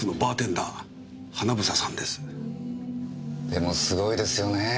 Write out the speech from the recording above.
でもすごいですよねぇ。